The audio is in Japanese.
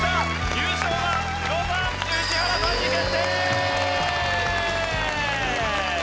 優勝はロザン宇治原さんに決定！